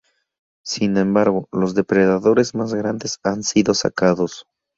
Sin embargo, los depredadores más grandes han sido sacados.